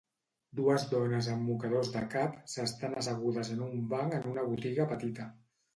Dues dones amb mocadors de cap s'estan assegudes en un banc en una botiga petita.